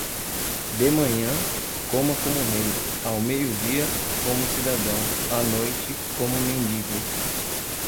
De manhã, coma como rei, ao meio-dia, como cidadão, à noite como mendigo.